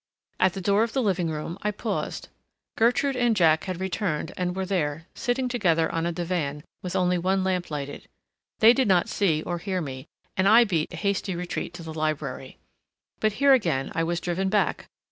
At the door of the living room I paused. Gertrude and Jack had returned and were there, sitting together on a divan, with only one lamp lighted. They did not see or hear me, and I beat a hasty retreat to the library. But here again I was driven back.